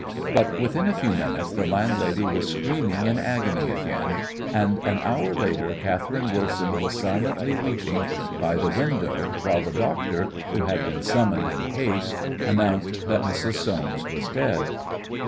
But within a few minutes the landlady was screaming in agony again, and an hour later Catherine Wilson was silently weeping by the window while the doctor, who had been summoned in haste, announced that Mrs. Soames was dead.